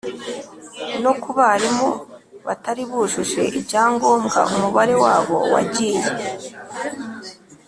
no ku barimu batari bujuje ibyangombwa umubare wabo wagiye